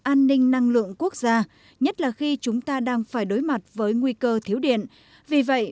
an ninh năng lượng quốc gia nhất là khi chúng ta đang phải đối mặt với nguy cơ thiếu điện vì vậy